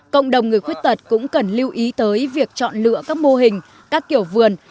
cộng đồng người khuyết tật cũng cần lưu ý tới việc chọn lựa các mô hình các kiểu vườn